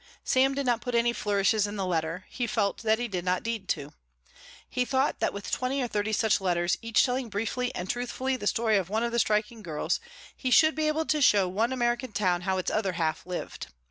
Sam did not put any flourishes in the letter; he felt that he did not need to. He thought that with twenty or thirty such letters, each telling briefly and truthfully the story of one of the striking girls, he should be able to show one American town how its other half lived.